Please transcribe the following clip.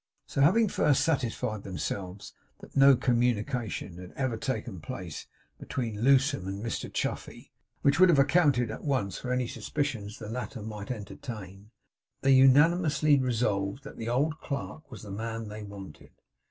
So, having first satisfied themselves that no communication had ever taken place between Lewsome and Mr Chuffey (which would have accounted at once for any suspicions the latter might entertain), they unanimously resolved that the old clerk was the man they wanted.